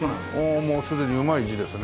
もうすでにうまい字ですね。